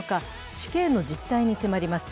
死刑の実態に迫ります。